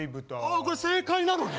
あこれ正解なのね。